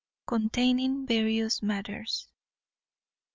_Containing various matters.